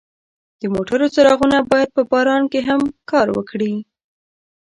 د موټرو څراغونه باید په باران کې هم کار وکړي.